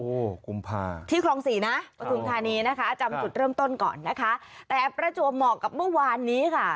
โอ้โหกุมภาที่คลองสี่นะปฐุมธานีนะคะจำจุดเริ่มต้นก่อนนะคะแต่ประจวบเหมาะกับเมื่อวานนี้ค่ะ